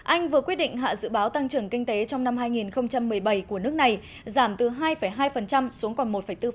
anh vừa quyết định hạ dự báo tăng trưởng kinh tế trong năm hai nghìn một mươi bảy của nước này giảm từ hai hai xuống còn một bốn